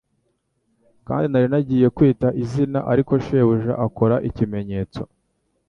kandi nari ngiye kwita izina ariko shebuja akora ikimenyetso